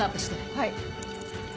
はい。